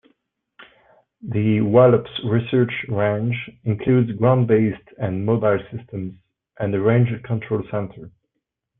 The Wallops Research Range includes ground-based and mobile systems, and a range control center.